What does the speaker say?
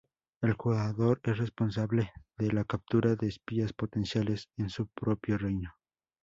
El jugador es responsable de la captura de espías potenciales en su propio reino.